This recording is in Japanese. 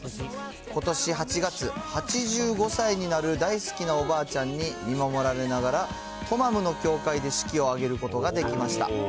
ことし８月、８５歳になる大好きなおばあちゃんに見守られながら、トマムの教会で式を挙げることができました。